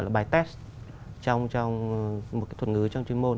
là bài test trong một cái thuật ngữ trong chuyên môn